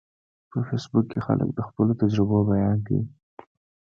په فېسبوک کې خلک د خپلو تجربو بیان کوي